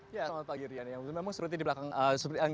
ya selamat pagi rian